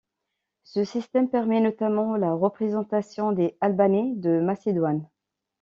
Ce système permet notamment la représentation des Albanais de Macédoine.